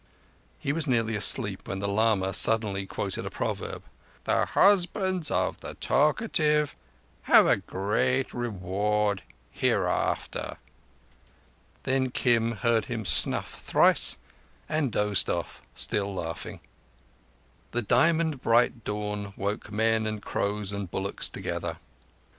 He was nearly asleep when the lama suddenly quoted a proverb: "The husbands of the talkative have a great reward hereafter." Then Kim heard him snuff thrice, and dozed off, still laughing. The diamond bright dawn woke men and crows and bullocks together.